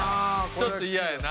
ちょっと嫌やな。